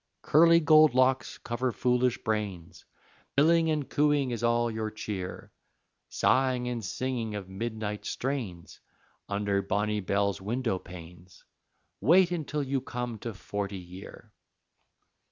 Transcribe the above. "Curly gold locks cover foolish brains, Billing and cooing is all your cheer; Sighing and singing of midnight strains, Under Bonnybell's window panes Wait till you come to Forty Year!"